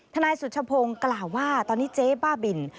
นายสุชพงศ์กล่าวว่าตอนนี้เจ๊บ้าบิน